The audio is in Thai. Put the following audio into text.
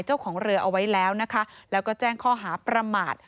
เจ้าของเรือเอาไว้แล้วนะคะแล้วก็แจ้งข้อหาประมาท